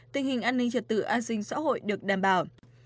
tình hình an ninh trật tự an sinh xã hội được đảm bảo